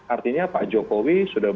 artinya pak jokowi sudah